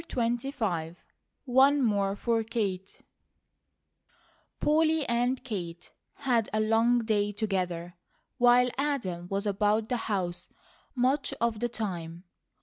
'" CHAPTER XXV ONE MORE FOR KATE POLLY and Kate had a long day together, while Adam was about the house much of the time.